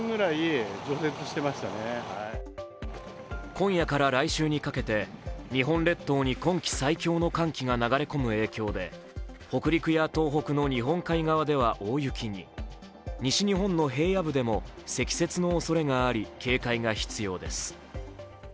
今夜から来週にかけて日本列島に今季最強の寒気が流れ込む影響で北陸や東北の日本海側では大雪に、西日本の平野部でも積雪のおそれがあり警戒が必要です。